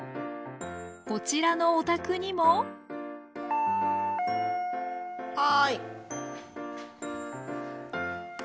こちらのお宅にも・はい。